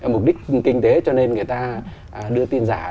mục đích kinh tế cho nên người ta đưa tin giả